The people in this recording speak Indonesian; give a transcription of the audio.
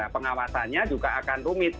pengawasannya juga akan rumit